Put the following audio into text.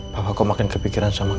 bapak kok makin kepikiran sama kamu ya nak